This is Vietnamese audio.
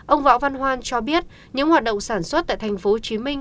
ông võ văn hoan cho biết những hoạt động sản xuất tại thành phố hồ chí minh